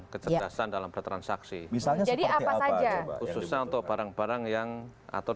kecerdasan dalam bertransaksi misalnya jadi apa saja khususnya untuk barang barang yang atau